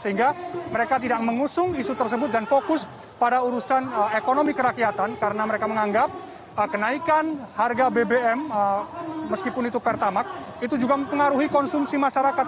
sehingga mereka tidak mengusung isu tersebut dan fokus pada urusan ekonomi kerakyatan karena mereka menganggap kenaikan harga bbm meskipun itu pertamak itu juga mempengaruhi konsumsi masyarakat